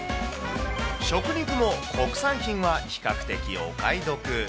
食肉も国産品は比較的お買い得。